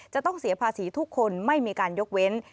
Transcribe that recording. จะต้องเสียภาษีทุกคนไม่มีการยกเว้น